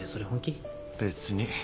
（別に。